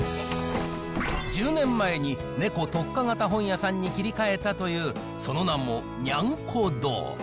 １０年前に猫特化型本屋さんに切り替えたという、その名もにゃんこ堂。